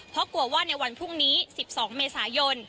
เพราะกลัวว่าในวันพรุ่งนี้๑๒เมษายน